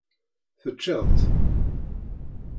Teččiḍ-t?